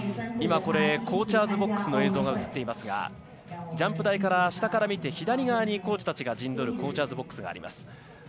コーチャーズボックスの映像ですがジャンプ台から下から見て左側にコーチたちが陣取るコーチャーズボックスがあります。